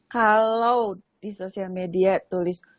kalau di sosial media tulis